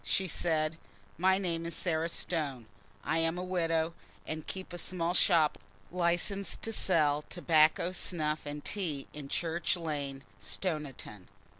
She said, "My name is Sarah Stone. I am a widow, and keep a small shop licensed to sell tobacco, snuff, and tea in Church Lane, Stoniton.